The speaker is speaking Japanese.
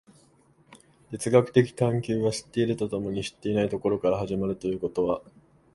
哲学的探求は知っていると共に知っていないところから始まるということは、